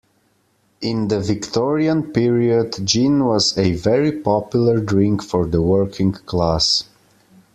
In the Victorian period gin was a very popular drink for the working class